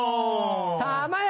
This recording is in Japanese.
たまや！